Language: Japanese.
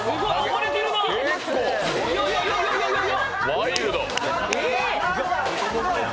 ワイルド！